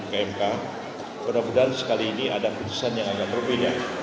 karena benar benar sekali ini ada keputusan yang agak berbeda